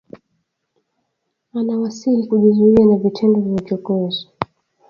Anawasihi kujizuia na vitendo vya uchokozi